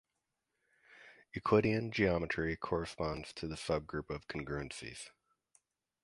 Euclidean geometry corresponds to the subgroup of congruencies.